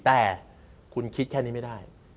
แต่คุณคิดแค่นี้ไม่ได้